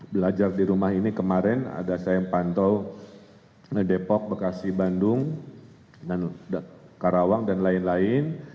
belajar di rumah ini kemarin ada sempat toh ngedepok bekasi bandung dan karawang dan lain lain